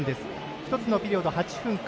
１つのピリオド８分間。